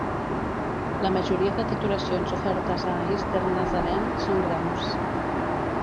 La majoria de titulacions ofertes a Eastern Nazarene són graus.